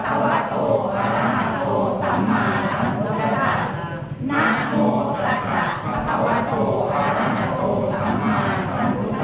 พระโตอารังโธสัมมาสัมพุทธศาสตร์